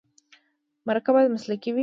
مرکه باید مسلکي وي.